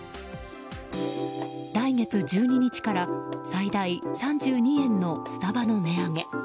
来月１２日から最大３２円のスタバの値上げ。